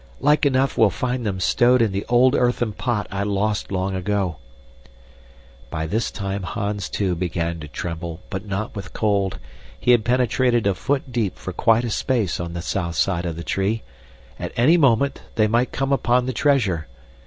"Like enough we'll find them stowed in the old earthen pot I lost long ago." By this time Hans, too, began to tremble, but not with cold. He had penetrated a foot deep for quite a space on the south side of the tree. At any moment they might come upon the treasure.